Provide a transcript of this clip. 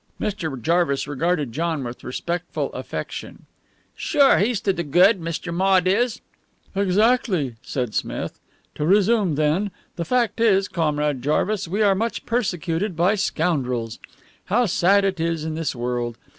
Mr. Jarvis regarded John with respectful affection. "Sure! He's to the good, Mr. Maude is." "Exactly," said Smith. "To resume, then. The fact is, Comrade Jarvis, we are much persecuted by scoundrels. How sad it is in this world!